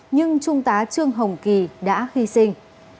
nhưng trung tá trương hồng kỳ đã hy sinh